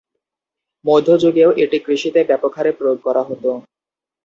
মধ্যযুগেও এটি কৃষিতে ব্যাপক হারে প্রয়োগ করা হতো।